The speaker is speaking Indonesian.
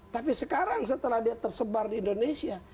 tapi sekarang setelah dia tersebar di indonesia